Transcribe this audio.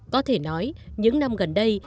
có thể nói những năm gần đây